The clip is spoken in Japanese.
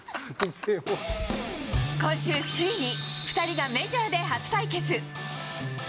今週、ついに２人がメジャーで初対決。